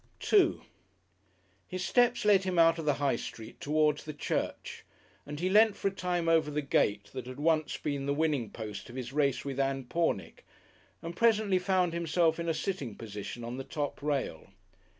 §2 His steps led him out of the High Street towards the church, and he leant for a time over the gate that had once been the winning post of his race with Ann Pornick, and presently found himself in a sitting position on the top rail.